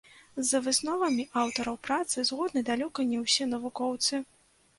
З высновамі аўтараў працы згодны далёка не ўсе навукоўцы.